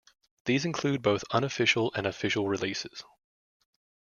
These include both unofficial and official releases.